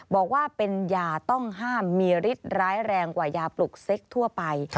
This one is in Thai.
บอกว่าเป็นยาต้องห้ามมีฤทธิ์ร้ายแรงกว่ายาปลุกเซ็กทั่วไป